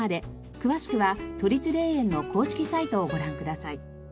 詳しくは都立霊園の公式サイトをご覧ください。